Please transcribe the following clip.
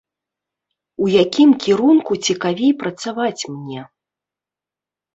У якім кірунку цікавей працаваць мне?